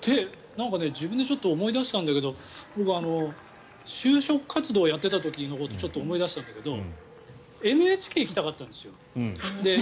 自分でちょっと思い出したんだけど僕、就職活動をやっていた時のことをちょっと思い出したんだけどＮＨＫ行きたかったんですよ。